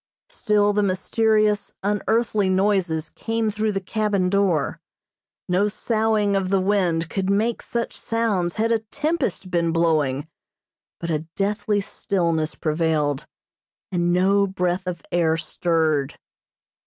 Still the mysterious, unearthly noises came through the cabin door. No soughing of the wind could make such sounds had a tempest been blowing, but a deathly stillness prevailed, and no breath of air stirred.